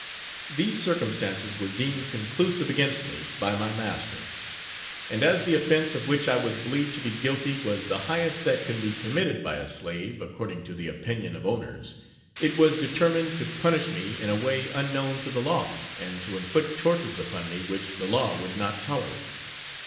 These circumstances were deemed conclusive against me by my master; and as the offence of which I was believed to be guilty was the highest that can be committed by a slave, according to the opinion of owners, it was determined to punish me in a way unknown to the law, and to inflict tortures upon me which the law would not tolerate.